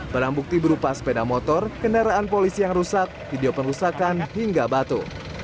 barang bukti berupa sepeda motor kendaraan polisi yang rusak video perusakan hingga batu